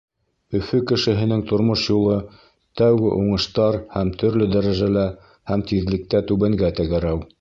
Өфө кешеһенең тормош юлы — тәүге уңыштар һәм төрлө дәрәжәлә һәм тиҙлектә түбәнгә тәгәрәү.